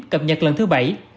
cập nhật lần thứ bảy